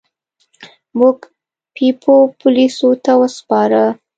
موږ بیپو پولیسو ته وسپاره.